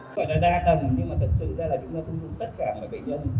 ngoài ra đa tầng nhưng mà thật sự ra là chúng ta thông tin tất cả các bệnh nhân covid một mươi chín